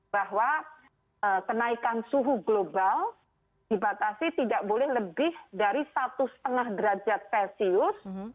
bahwa kenaikan suhu global dibatasi tidak boleh lebih dari satu lima derajat celcius